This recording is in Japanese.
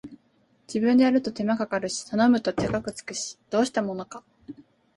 自分でやると手間かかるし頼むと高くつくし、どうしたものか